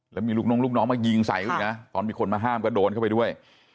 แล้วมีลูกน้องลูกน้องมายิงใส่เขาอีกนะตอนมีคนมาห้ามก็โดนเข้าไปด้วย